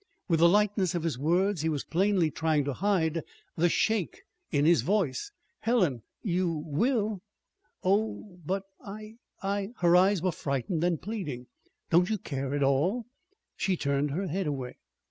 With the lightness of his words he was plainly trying to hide the shake in his voice. "Helen, you will?" "Oh, but I I !" Her eyes were frightened and pleading. "Don't you care at all?" She turned her head away.